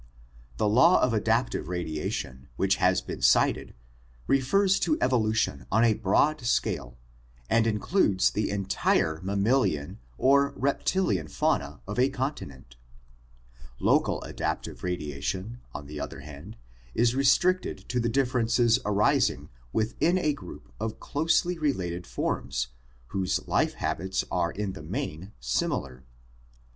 — The law of adaptive radiation which has been cited refers to evolution on a broad scale and in A. square raoutb o black rhinoceros, R Great Game Animals.) eludes the entire mammalian or reptilian fauna of a continent. Local adaptive radiation, on the other hand, is restricted to the differences arising within a group of closely related forms whose life habits are in the main similar.